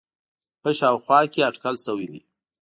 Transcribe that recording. ه شاوخوا کې اټکل شوی دی